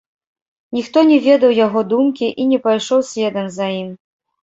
Ніхто не ведаў яго думкі і не пайшоў следам за ім.